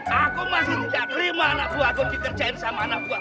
aku masih tidak terima anak buah aku dikerjain sama anak buah